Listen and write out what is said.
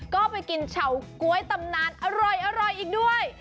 ก็ไปกินเฉาก๊วยตำนานอร่อยอีกด้วย